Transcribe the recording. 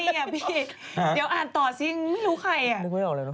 เดี๋ยวอ่านต่อสิยังไม่รู้ใคร